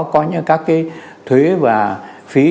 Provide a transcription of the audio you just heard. có những cái thuế và phí